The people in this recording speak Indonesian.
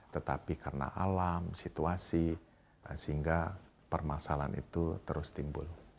tetapi karena alam situasi sehingga permasalahan itu terus timbul